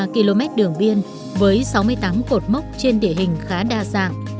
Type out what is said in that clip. bốn mươi ba km đường biên với sáu mươi tám cột mốc trên địa hình khá đa dạng